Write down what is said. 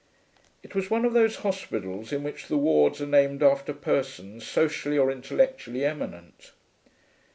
It was one of those hospitals in which the wards are named after persons socially or intellectually eminent.